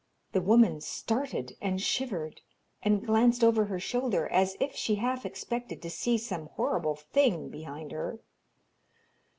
The woman started and shivered, and glanced over her shoulder as if she half expected to see some horrible thing behind her.